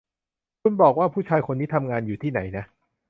คุณบอกว่า ผู้ชายคนนี้ทำงานอยู่ที่ไหนนะ